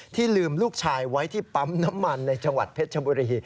ลืมลูกชายไว้ที่ปั๊มน้ำมันในจังหวัดเพชรชบุรี